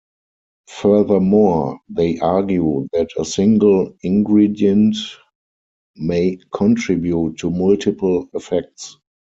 Furthermore, they argue that a single ingredient may contribute to multiple effects.